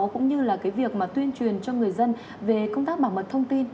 cũng như là việc tuyên truyền cho người dân về công tác bảo mật thông tin